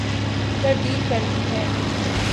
تردید کر دی ہے ۔